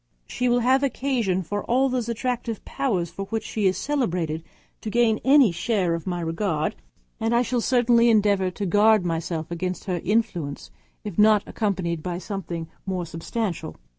She will have occasion for all those attractive powers for which she is celebrated to gain any share of my regard; and I shall certainly endeavour to guard myself against their influence, if not accompanied by something more substantial.